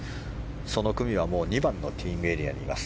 その組はもう２番のティーイングエリアにいます。